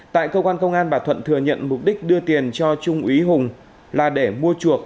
tại cơ quan công an bà thuận thừa nhận mục đích đưa tiền cho trung úy hùng là để mua chuộc